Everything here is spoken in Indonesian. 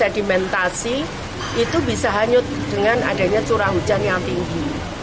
sedimentasi itu bisa hanyut dengan adanya curah hujan yang tinggi